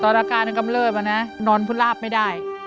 ตอนตาการกำเลือดบ้างนะนอนพุราพไม่ได้